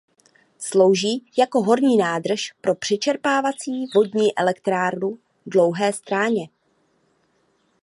Slouží jako horní nádrž pro Přečerpávací vodní elektrárnu Dlouhé stráně.